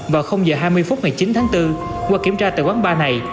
vào giờ hai mươi phút ngày chín tháng bốn qua kiểm tra tại quán bar này